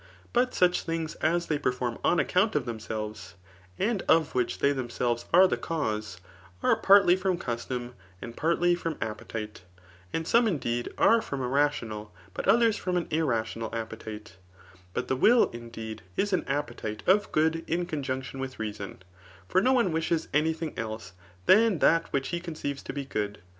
But such things as they perform on account of themselves, and of which they themselves are the causes, are partly from custom^ and partly from appetite ; 2Std some indeed are from a rational, but others from an irrational anpetite* But the will, indeed, is an appetite of good in conjunction vrith reason ; for no one wishes any thing else than that wbith he conceives to be good.